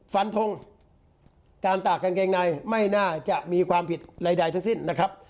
ฟันทงการตากกางเกงในไม่น่าจะมีความผิดใดทั้งสิ้นนะครับ